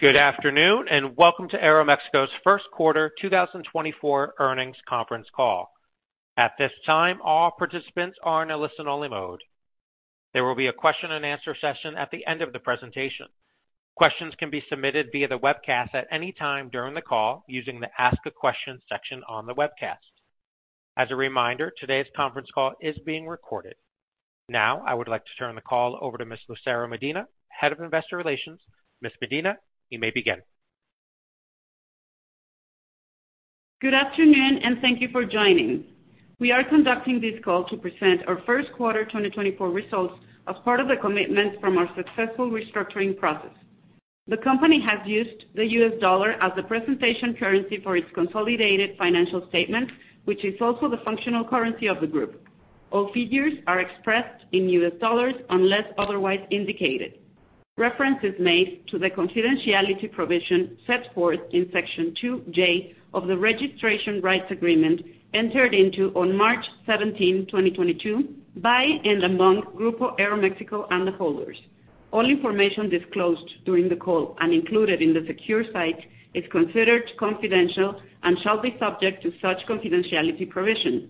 Good afternoon and welcome to Aeroméxico's first quarter 2024 earnings conference call. At this time, all participants are in a listen-only mode. There will be a question-and-answer session at the end of the presentation. Questions can be submitted via the webcast at any time during the call using the Ask a Question section on the webcast. As a reminder, today's conference call is being recorded. Now, I would like to turn the call over to Ms. Lucero Medina, Head of Investor Relations. Ms. Medina, you may begin. Good afternoon and thank you for joining. We are conducting this call to present our first quarter 2024 results as part of the commitments from our successful restructuring process. The company has used the U.S. dollar as the presentation currency for its consolidated financial statements, which is also the functional currency of the group. All figures are expressed in U.S. dollars unless otherwise indicated. Reference is made to the confidentiality provision set forth in Section 2J of the Registration Rights Agreement entered into on March 17, 2022, by and among Grupo Aeroméxico and the holders. All information disclosed during the call and included in the secure site is considered confidential and shall be subject to such confidentiality provision.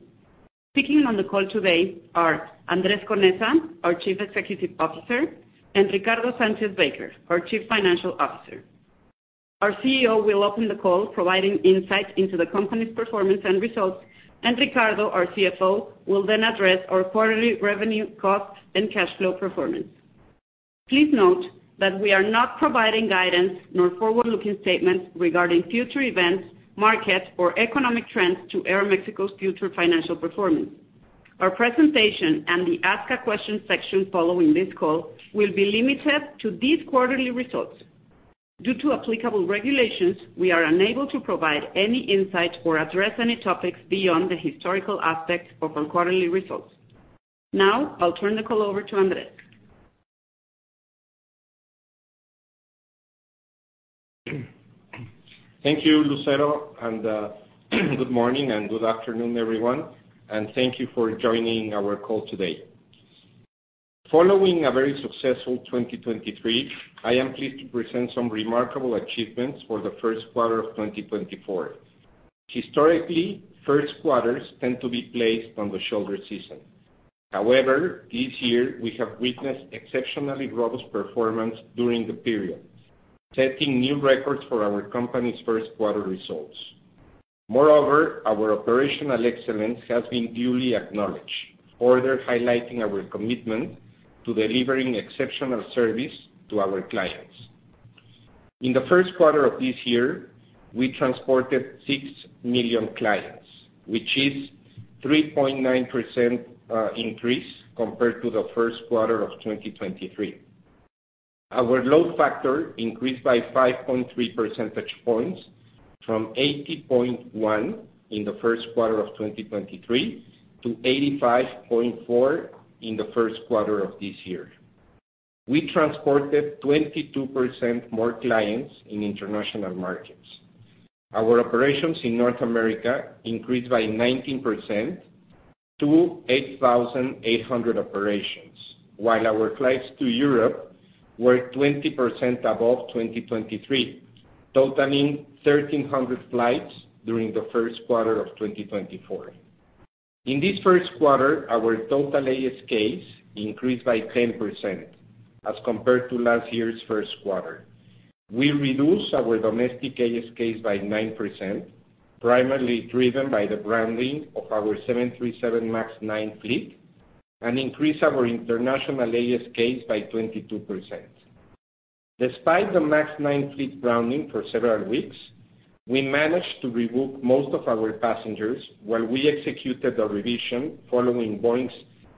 Speaking on the call today are Andrés Conesa, our Chief Executive Officer, and Ricardo Sánchez Baker, our Chief Financial Officer. Our CEO will open the call, providing insight into the company's performance and results, and Ricardo, our CFO, will then address our quarterly revenue, cost, and cash flow performance. Please note that we are not providing guidance nor forward-looking statements regarding future events, market, or economic trends to Aeroméxico's future financial performance. Our presentation and the Ask a Question section following this call will be limited to these quarterly results. Due to applicable regulations, we are unable to provide any insight or address any topics beyond the historical aspect of our quarterly results. Now, I'll turn the call over to Andrés. Thank you, Lucero, and good morning and good afternoon, everyone, and thank you for joining our call today. Following a very successful 2023, I am pleased to present some remarkable achievements for the first quarter of 2024. Historically, first quarters tend to be placed on the shoulder season. However, this year, we have witnessed exceptionally robust performance during the period, setting new records for our company's first quarter results. Moreover, our operational excellence has been duly acknowledged, further highlighting our commitment to delivering exceptional service to our clients. In the first quarter of this year, we transported six million clients, which is a 3.9% increase compared to the first quarter of 2023. Our load factor increased by 5.3 percentage points from 80.1 in the first quarter of 2023 to 85.4 in the first quarter of this year. We transported 22% more clients in international markets. Our operations in North America increased by 19% to 8,800 operations, while our flights to Europe were 20% above 2023, totaling 1,300 flights during the first quarter of 2024. In this first quarter, our total ASKs increased by 10% as compared to last year's first quarter. We reduced our domestic ASKs by 9%, primarily driven by the grounding of our 737 MAX 9 fleet, and increased our international ASKs by 22%. Despite the MAX 9 fleet grounding for several weeks, we managed to rebook most of our passengers while we executed the revision following Boeing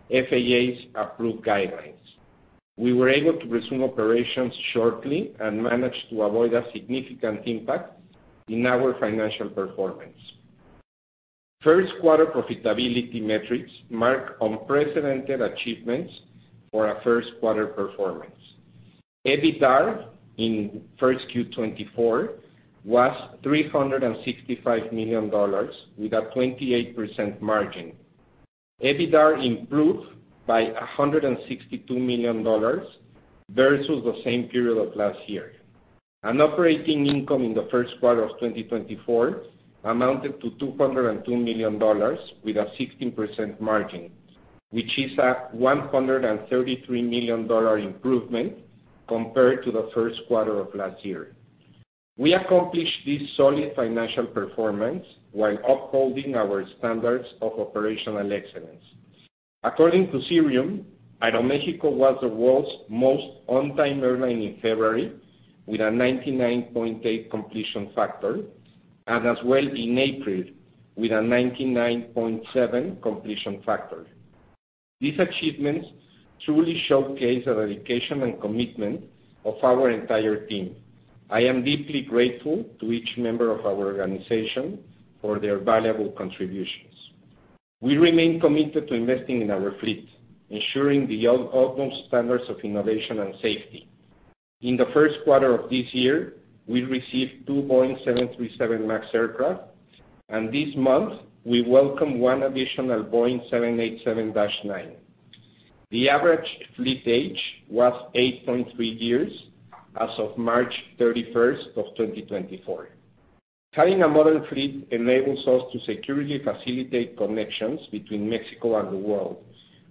and FAA's approved guidelines. We were able to resume operations shortly and managed to avoid a significant impact in our financial performance. First quarter profitability metrics mark unprecedented achievements for our first quarter performance. EBITDA in 1Q24 was $365 million with a 28% margin. EBITDA improved by $162 million versus the same period of last year, and operating income in the first quarter of 2024 amounted to $202 million with a 16% margin, which is a $133 million improvement compared to the first quarter of last year. We accomplished this solid financial performance while upholding our standards of operational excellence. According to Cirium, Aeroméxico was the world's most on-time airline in February with a 99.8 completion factor, and as well in April with a 99.7 completion factor. These achievements truly showcase the dedication and commitment of our entire team. I am deeply grateful to each member of our organization for their valuable contributions. We remain committed to investing in our fleet, ensuring the utmost standards of innovation and safety. In the first quarter of this year, we received two Boeing 737 MAX aircraft, and this month, we welcomed one additional Boeing 787-9. The average fleet age was 8.3 years as of March 31 of 2024. Having a modern fleet enables us to securely facilitate connections between Mexico and the world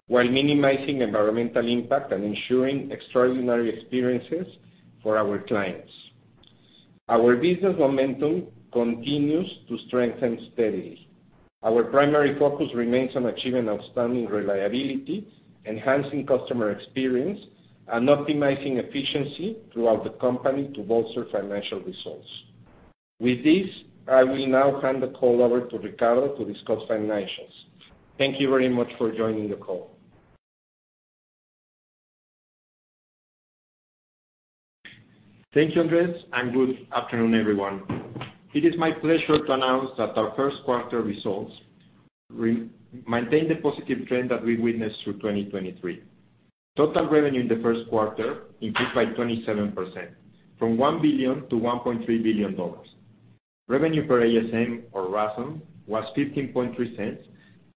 while minimizing environmental impact and ensuring extraordinary experiences for our clients. Our business momentum continues to strengthen steadily. Our primary focus remains on achieving outstanding reliability, enhancing customer experience, and optimizing efficiency throughout the company to bolster financial results. With this, I will now hand the call over to Ricardo to discuss financials. Thank you very much for joining the call. Thank you, Andrés, and good afternoon, everyone. It is my pleasure to announce that our first quarter results maintain the positive trend that we witnessed through 2023. Total revenue in the first quarter increased by 27%, from $1 billion to $1.3 billion. Revenue per ASM, or RASM, was $0.153,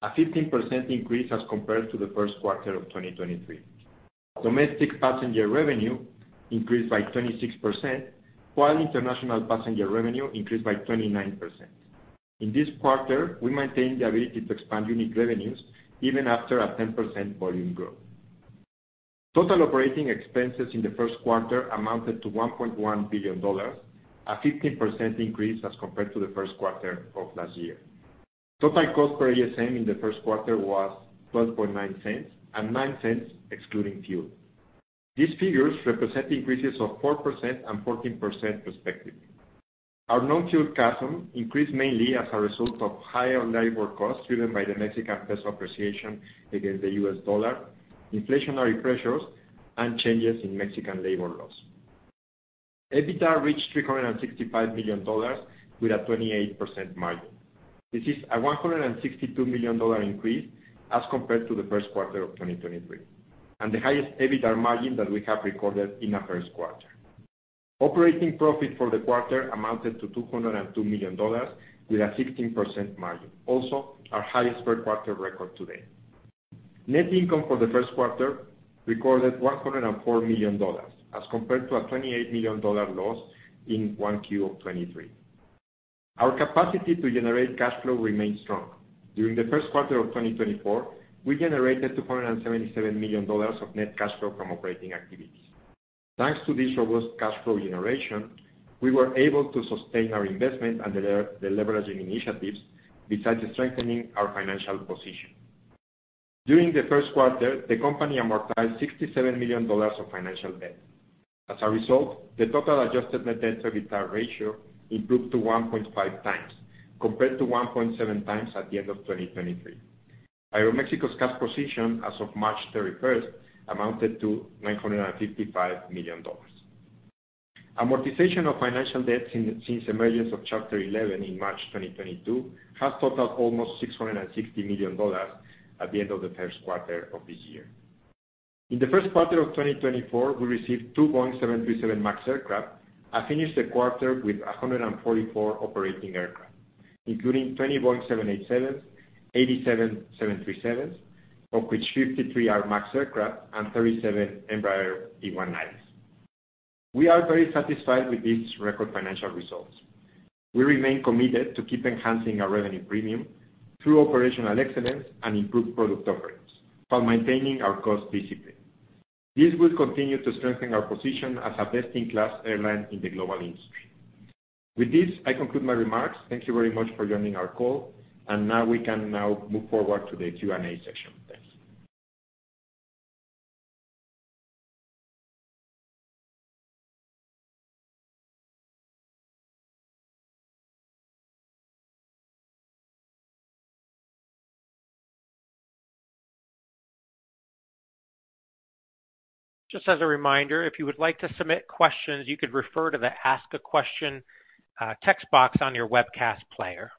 a 15% increase as compared to the first quarter of 2023. Domestic passenger revenue increased by 26%, while international passenger revenue increased by 29%. In this quarter, we maintained the ability to expand unit revenues even after a 10% volume growth. Total operating expenses in the first quarter amounted to $1.1 billion, a 15% increase as compared to the first quarter of last year. Total cost per ASM in the first quarter was $0.129 and $0.09 excluding fuel. These figures represent increases of 4% and 14% respectively. Our non-fuel CASM increased mainly as a result of higher labor costs driven by the Mexican peso appreciation against the U.S. dollar, inflationary pressures, and changes in Mexican labor laws. EBITDA reached $365 million with a 28% margin. This is a $162 million increase as compared to the first quarter of 2023, and the highest EBITDA margin that we have recorded in a first quarter. Operating profit for the quarter amounted to $202 million with a 16% margin, also our highest per quarter record today. Net income for the first quarter recorded $104 million as compared to a $28 million loss in 1Q of 2023. Our capacity to generate cash flow remained strong. During the first quarter of 2024, we generated $277 million of net cash flow from operating activities. Thanks to this robust cash flow generation, we were able to sustain our investment and deleveraging initiatives besides strengthening our financial position. During the first quarter, the company amortized $67 million of financial debt. As a result, the total adjusted net debt to EBITDA ratio improved to 1.5 times compared to 1.7 times at the end of 2023. Aeroméxico's cash position as of March 31 amounted to $955 million. Amortization of financial debt since the emergence of Chapter 11 in March 2022 has totaled almost $660 million at the end of the first quarter of this year. In the first quarter of 2024, we received two Boeing 737 MAX aircraft and finished the quarter with 144 operating aircraft, including 20 Boeing 787s, 87 737s, of which 53 are MAX aircraft and 37 Embraer E190s. We are very satisfied with these record financial results. We remain committed to keep enhancing our revenue premium through operational excellence and improved product offerings while maintaining our cost discipline. This will continue to strengthen our position as a best-in-class airline in the global industry. With this, I conclude my remarks. Thank you very much for joining our call, and we can now move forward to the Q&A section. Thanks. Just as a reminder, if you would like to submit questions, you could refer to the Ask a Question text box on your webcast player.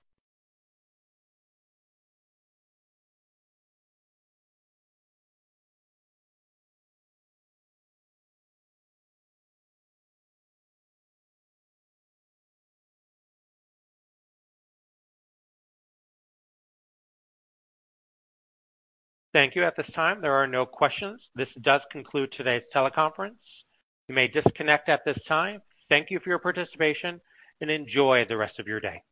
Thank you. At this time, there are no questions. This does conclude today's teleconference. You may disconnect at this time. Thank you for your participation and enjoy the rest of your day.